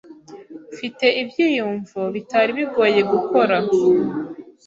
Mfite ibyiyumvo bitari bigoye gukora.